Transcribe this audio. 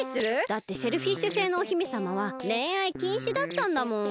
だってシェルフィッシュ星のお姫さまはれんあいきんしだったんだもん。